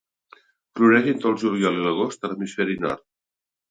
Floreix entre el juliol i l'agost a l'hemisferi nord.